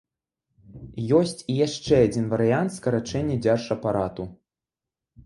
Ёсць і яшчэ адзін варыянт скарачэння дзяржапарату.